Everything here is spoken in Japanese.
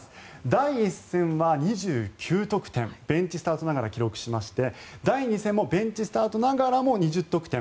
第１戦は２９得点ベンチスタートながら記録しまして第２戦もベンチスタートながらも２０得点。